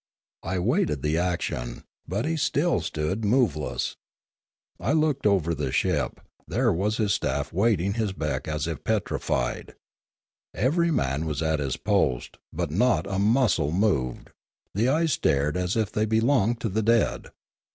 I waited the action, but he still stood moveless. I looked over the ship; there was his staff awaiting his beck as if petrified. Every man was at his post, but not a muscle moved ; the eyes stared as if they belonged to the dead.